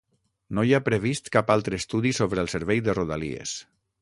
No hi ha previst cap altre estudi sobre el servei de rodalies.